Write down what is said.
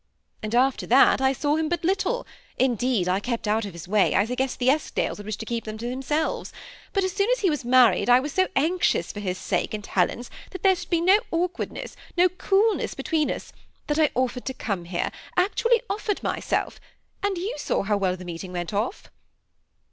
After that I saw him but little ; indeed, I kept out of his way, as I guessed the Eskdales would wish to keep him to themselves ; but as soon as he was married, I was so anxious for his sake and Helen's that there should be no awkwardness, no coolness between us, that I offered to come here, — actually offered myself, — and you saw how well the meeting went off."